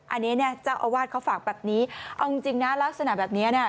อันนี้เนี่ยเจ้าอาวาสเขาฝากแบบนี้เอาจริงจริงนะลักษณะแบบนี้เนี่ย